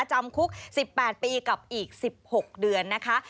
จำคุก๑๘ปีกับอีก๑๖เดือนนะคะ